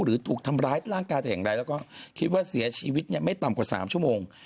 หรือถูกทำร้ายร่างกายแต่อย่างไรแล้วก็คิดว่าเสียชีวิตไม่ต่ำกว่า๓ชั่วโมง